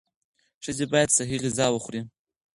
ښځې باید صحي غذا وخوري.